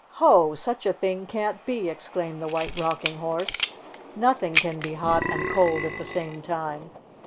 " Ho ! Such a thing can 'the!" exclaimed the White Rocking Horse. "Nothing can be hot and cold at the same time."